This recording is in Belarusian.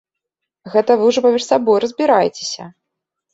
Гэта вы ўжо паміж сабой разбірайцеся.